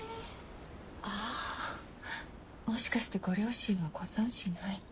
あぁもしかしてご両親はご存じない？